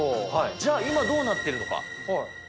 じゃあ、今どうなってるのか。